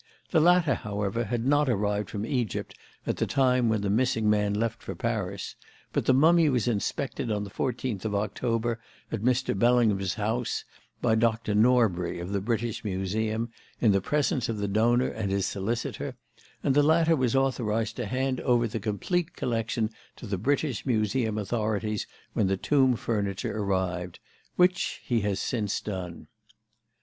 The latter, however, had not arrived from Egypt at the time when the missing man left for Paris, but the mummy was inspected on the fourteenth of October at Mr. Bellingham's house by Dr. Norbury of the British Museum, in the presence of the donor and his solicitor, and the latter was authorised to hand over the complete collection to the British Museum authorities when the tomb furniture arrived; which he has since done.